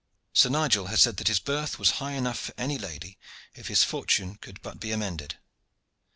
Sir Nigel had said that his birth was high enough for any lady, if his fortune could but be amended.